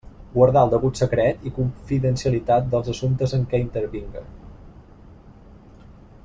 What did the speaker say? Guardar el degut secret i confidencialitat dels assumptes en què intervinga.